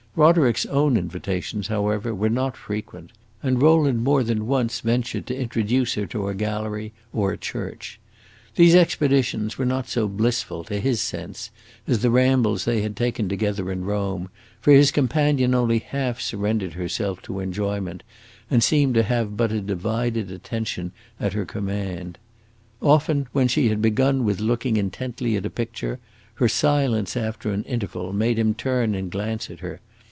Roderick's own invitations, however, were not frequent, and Rowland more than once ventured to introduce her to a gallery or a church. These expeditions were not so blissful, to his sense, as the rambles they had taken together in Rome, for his companion only half surrendered herself to her enjoyment, and seemed to have but a divided attention at her command. Often, when she had begun with looking intently at a picture, her silence, after an interval, made him turn and glance at her.